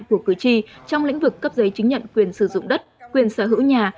của cử tri trong lĩnh vực cấp giấy chứng nhận quyền sử dụng đất quyền sở hữu nhà